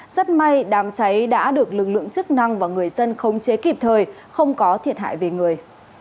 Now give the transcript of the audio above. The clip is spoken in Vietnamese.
rất may đám cháy đã được lực lượng chức năng và người dân khống chế kịp thời không có thiệt hại về người